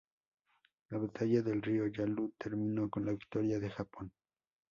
La batalla del río Yalu terminó con la victoria de Japón.